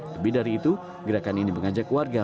lebih dari itu gerakan ini mengajak warga